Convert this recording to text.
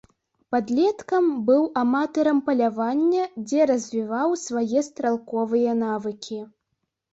Падлеткам быў аматарам палявання, дзе развіваў свае стралковыя навыкі.